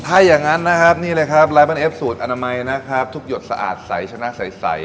ถ้าอย่างนั้นนะครับนี่เลยครับลายมันเอฟสูตรอนามัยนะครับทุกหยดสะอาดใสชนะใส